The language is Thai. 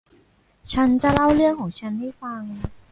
ฉันจะเล่าเรื่องของฉันให้ฟัง